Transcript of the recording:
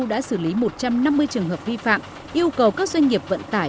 đã xử lý một trăm năm mươi trường hợp vi phạm yêu cầu các doanh nghiệp vận tải